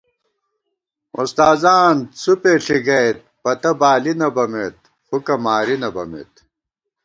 اُستاذان څُپےݪی گئیت، پتہ بالی نہ بَمېت، فُکہ ماری نہ بَمېت